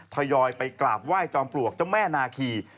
ทยอยไปกราบไหว้จอมปลวกเจ้าแม่นาคี